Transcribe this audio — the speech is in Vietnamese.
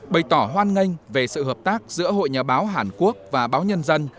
bày tỏ hoan nghênh về sự hợp tác giữa hội nhà báo hàn quốc và báo nhân dân